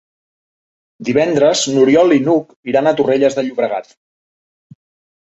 Divendres n'Oriol i n'Hug iran a Torrelles de Llobregat.